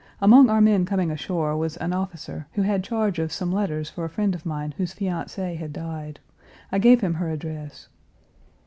Among our men coming ashore was an officer, who had charge of some letters for a friend of mine whose fiancé had died; I gave him her address.